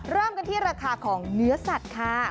เริ่มกันที่ราคาของเนื้อสัตว์ค่ะ